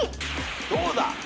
どうだ。